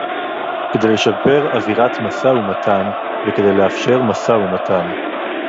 כדי לשפר אווירת משא-ומתן וכדי לאפשר משא-ומתן